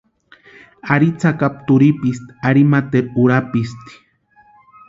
Ari tsakapu turhipesti ari materu urapisti.